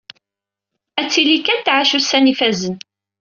Ad tili kan tɛac ussan ifazen.